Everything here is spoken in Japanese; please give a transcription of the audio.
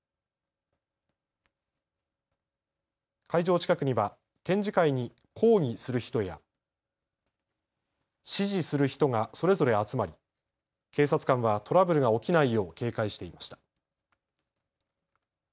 会場近くには展示会に抗議する人や支持する人がそれぞれ集まり警察官はトラブルが起きないよう警戒していました。